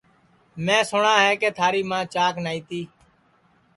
میں سُٹؔا ہے کہ تھاری ماں چاک نائی تی